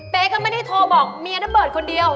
ก็ไม่ได้โทรบอกเมียนะเบิร์ตคนเดียว